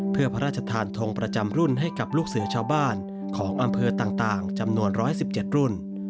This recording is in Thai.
เพื่อพระราชทานทงประจำรุ่นให้กับลูกเสือชาวบ้านของอำเภอต่างจำนวน๑๑๗รุ่น